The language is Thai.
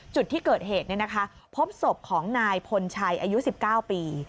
จุดที่เกิดเหตุพบศพของนายพลชัยอายุ๑๙ปี